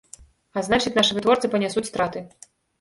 А значыць, нашы вытворцы панясуць страты.